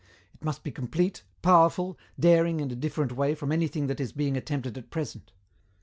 It must be complete, powerful, daring in a different way from anything that is being attempted at present.